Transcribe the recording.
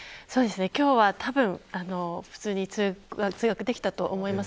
今日は、たぶん普通に通学できたと思います。